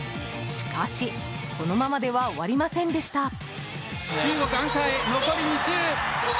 しかしこのままでは終わりませんでした。